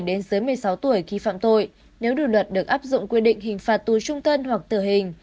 đến dưới một mươi sáu tuổi khi phạm tội nếu điều luật được áp dụng quy định hình phạt tù trung thân hoặc tử hình